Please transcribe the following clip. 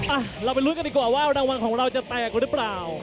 อ่ะเราไปลุ้นกันดีกว่าว่ารางวัลของเราจะแตกกว่าหรือเปล่า